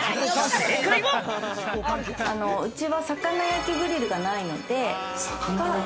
うちは魚焼きグリルがないので。